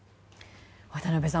渡辺さん